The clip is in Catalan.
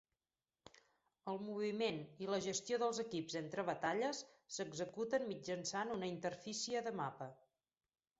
El moviment i la gestió dels equips entre batalles s'executen mitjançant una interfície de mapa.